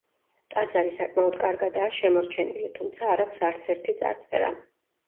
ტაძარი საკმაოდ კარგადაა შემორჩენილი, თუმცა არ აქვს არც ერთი წარწერა.